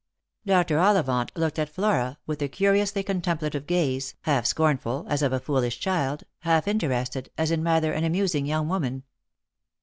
Dr. Ollivant looked at Flora with a curiously contemplative gaze, half scornful, as of a foolish child, half interested, as in a rather amusing young woman.